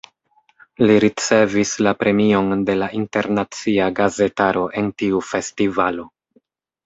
Li ricevis la premion de la internacia gazetaro en tiu festivalo.